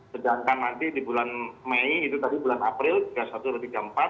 sedangkan nanti di bulan mei itu tadi bulan april tiga puluh satu atau tiga puluh empat